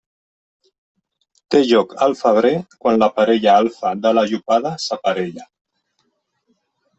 Té lloc al febrer quan la parella alfa de la llopada s'aparella.